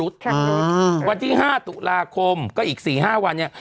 โทษทีน้องโทษทีน้อง